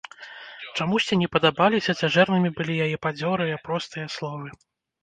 Чамусьці не падабаліся, цяжэрнымі былі яе бадзёрыя, простыя словы.